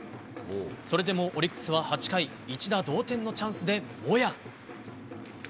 それでもオリックスは８回一打同点のチャンスでモヤ。